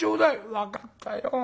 「分かったよ。